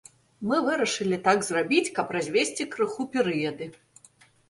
Мы вырашылі так зрабіць, каб развесці крыху перыяды.